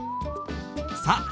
さあ